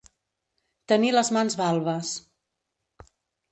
Tenir les mans balbes.